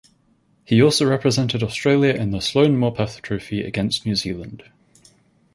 He also represented Australia in the Sloan Morpeth Trophy against New Zealand.